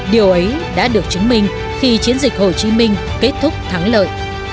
điều ấy đã được chứng minh khi chiến dịch hồ chí minh kết thúc thắng lợi